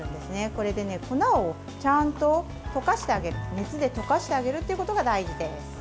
これで粉をちゃんと溶かしてあげる熱で溶かしてあげることが大事です。